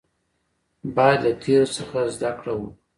باید له تیرو څخه زده کړه وکړو